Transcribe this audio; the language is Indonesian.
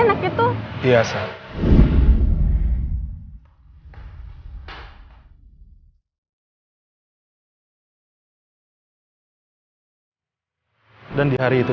nggak mau ngerti